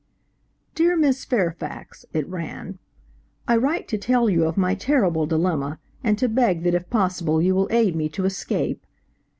"Dear Miss Fairfax," it ran, "I write to tell you of my terrible dilemma, and to beg that if possible you will aid me to escape.